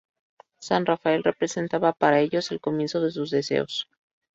San Rafael representaba para ellos el comienzo de sus deseos.